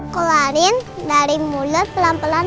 keluarin dari mulut pelan pelan